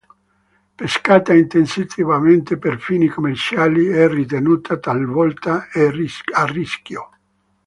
Pescata intensivamente per fini commerciali è ritenuta talvolta a rischio.